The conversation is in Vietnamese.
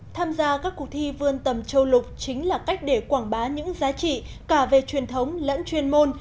tham gia các cuộc thi vươn tầm châu lục chính là cách để quảng bá những giá trị cả về truyền thống lẫn chuyên môn